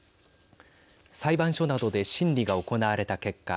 裁判所などで審理が行われた結果